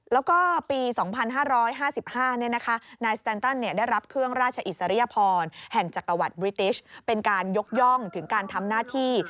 แล้วก็ปี๒๕๕๕นายสแตนตันได้รับเครื่องราชอิสริยพรแห่งจักรวรรดิบริติชเป็นการยกย่องถึงการทำหน้าที่